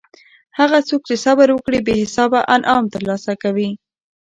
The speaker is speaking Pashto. هغه څوک چې صبر وکړي بې حسابه انعام ترلاسه کوي.